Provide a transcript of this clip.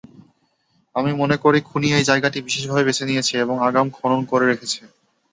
আমি মনে করি খুনি এই জায়গাটি বিশেষভাবে বেছে নিয়েছে এবং আগাম খনন করে রেখেছে।